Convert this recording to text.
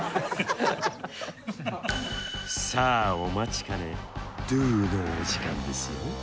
さあお待ちかねＤＯのお時間ですよ。